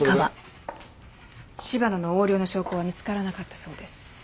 柴野の横領の証拠は見つからなかったそうです。